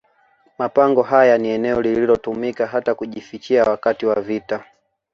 Mapango haya ni eneo lililotumika hata kujifichia wakati wa vita